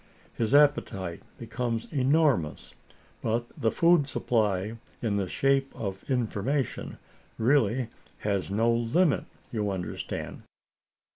His appetite becomes enormous; but the food supply in the shape of information really has no limit, you understand."